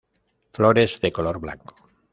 Flores de color blanco.